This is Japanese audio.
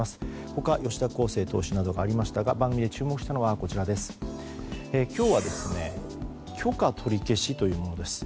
他、吉田輝星投手などがありましたが番組で注目したのは今日は許可取り消しというものです。